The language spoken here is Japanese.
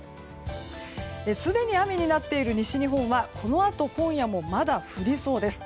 すでに雨になっている西日本はこのあと今夜もまだ降りそうです。